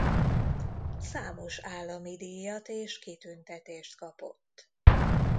Számos állami díjat és kitüntetést kapott.